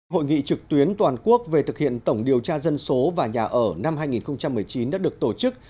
hội nghị trực tuyến toàn quốc về thực hiện tổng điều tra dân số và nhà ở năm hai nghìn một mươi chín đã được tổ chức